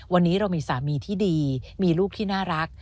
วันนี้เรามีสามีที่ดีมีลูกที่น่ารัก